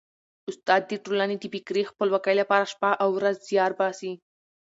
استاد د ټولني د فکري خپلواکۍ لپاره شپه او ورځ زیار باسي.